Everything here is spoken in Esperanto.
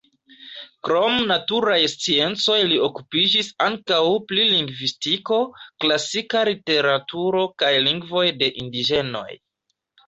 Krom naturaj sciencoj li okupiĝis ankaŭ pri lingvistiko, klasika literaturo, kaj lingvoj de indiĝenoj.